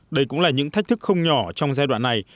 đây cũng là những thách thức không nhỏ trong giai đoạn này